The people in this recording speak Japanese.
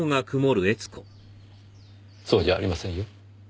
そうじゃありませんよ。